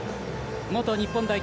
元日本代表